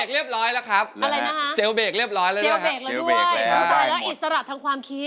เลือกได้วันนี้